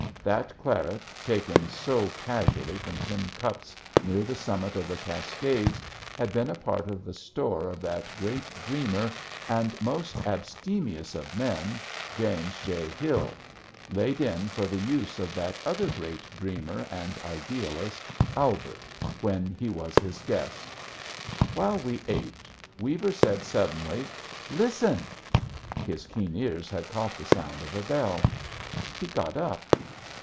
That claret, taken so casually from tin cups near the summit of the Cascades, had been a part of the store of that great dreamer and most abstemious of men, James J. Hill, laid in for the use of that other great dreamer and idealist, Albert, when he was his guest. While we ate, Weaver said suddenly, "Listen!" His keen ears had caught the sound of a bell. He got up.